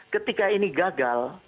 ketika ini gagal